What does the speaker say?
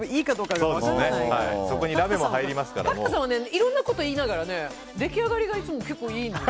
でも角田さんもいろいろ言いながら出来上がりがいつも結構いいのよ。